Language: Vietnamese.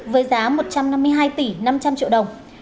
với giá một trăm năm mươi hai tỷ năm trăm linh triệu đồng